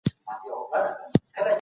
زه کليمه جوړوم.